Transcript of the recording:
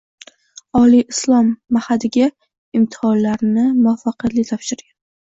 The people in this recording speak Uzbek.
Oliy Islom Ma'hadiga imtihonlarni muvaffaqiyatli topshirgan